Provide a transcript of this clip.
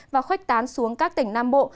và khuếch tán xuống các tỉnh nam bộ